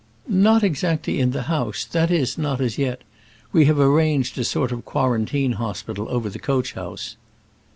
"Not exactly in the house that is, not as yet. We have arranged a sort of quarantine hospital over the coach house."